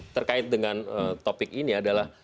terkait dengan topik ini adalah